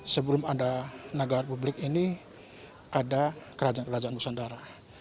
sebelum ada negara republik ini ada kerajaan kerajaan nusantara